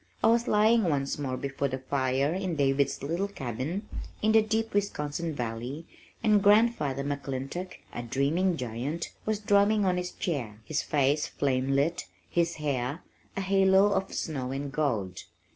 I was lying once more before the fire in David's little cabin in the deep Wisconsin valley and Grandfather McClintock, a dreaming giant, was drumming on his chair, his face flame lit, his hair a halo of snow and gold.